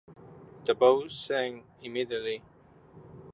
The bow sank immediately.